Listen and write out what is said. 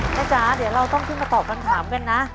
จ๊ะเดี๋ยวเราต้องขึ้นมาตอบคำถามกันนะ